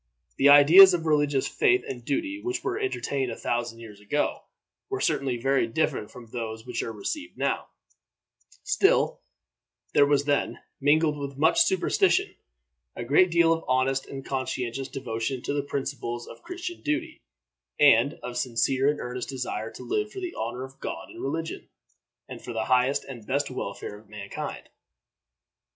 The ideas of religious faith and duty which were entertained a thousand years ago were certainly very different from those which are received now; still, there was then, mingled with much superstition, a great deal of honest and conscientious devotion to the principles of Christian duty, and of sincere and earnest desire to live for the honor of God and religion, and for the highest and best welfare of mankind.